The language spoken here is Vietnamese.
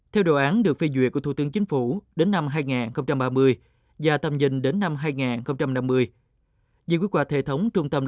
theo đồ án được phê duyệt của thủ tướng chính phủ đến năm hai nghìn ba mươi và tầm nhìn đến năm hai nghìn năm mươi